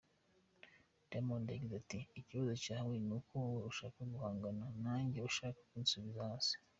Diamond yagize ati, “Ikibazo cyawe ni uko wowe ushaka guhangana nanjye ushaka kunsubiza hasi….